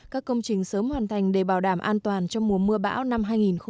các công trình sớm hoàn thành để bảo đảm an toàn trong mùa mưa bão năm hai nghìn hai mươi